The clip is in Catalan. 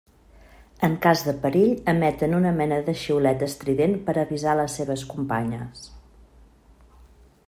En cas de perill emeten una mena de xiulet estrident per avisar les seves companyes.